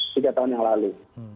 tiga tahun yang lalu